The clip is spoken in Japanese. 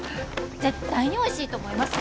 絶対においしいと思います！